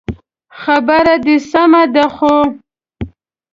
خبره دي سمه ده خو